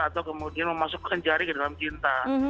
atau kemudian memasukkan jari ke dalam cinta